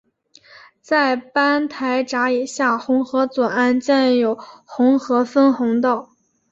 在班台闸以下洪河左岸建有洪河分洪道。